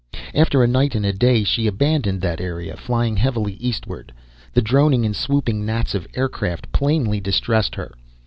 After a night and a day she abandoned that area, flying heavily eastward. The droning and swooping gnats of aircraft plainly distressed her.